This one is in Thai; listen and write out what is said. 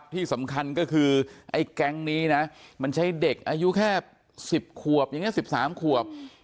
ที่สำคัญก็คือไอ้แก๊งนี้นะมันใช้เด็กอายุแค่๑๐ขวบอย่างนี้๑๓ขวบ